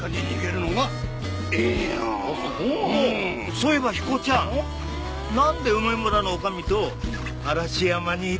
そういえば彦ちゃんなんで梅むらの女将と嵐山にいたの？